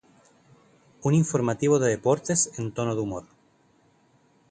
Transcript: Un informativo de deportes en tono de humor.